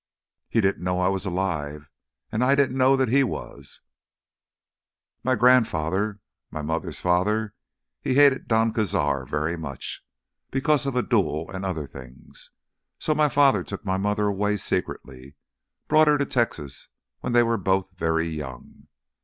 "He didn't know I was alive, and I didn't know that he was. My grandfather—my mother's father—he hated Don Cazar very much, because of a duel and other things. So my father took my mother away secretly, brought her to Texas when they were both very young.